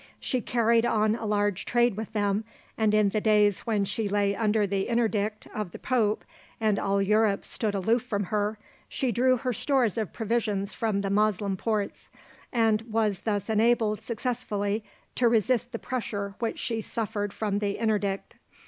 She carried on a large trade with them; and in the days when she lay under the interdict of the pope, and all Europe stood aloof from her, she drew her stores of provisions from the Moslem ports, and was thus enabled successfully to resist the pressure which she suffered from the interdict.